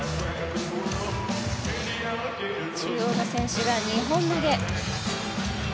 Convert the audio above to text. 中央の選手が２本投げ。